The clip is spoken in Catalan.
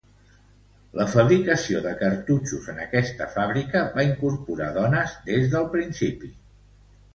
La fabricació de cartutxos en esta fàbrica va incorporar dones des del principi.